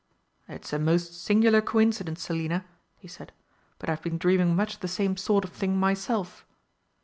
"It's a most singular coincidence, Selina," he said, "but I've been dreaming much the same sort of thing myself!"